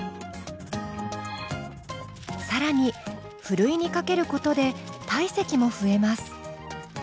更にふるいにかけることで体積も増えます。